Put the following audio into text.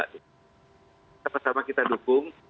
kita bersama sama kita dukung